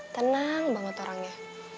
tenang banget orangnya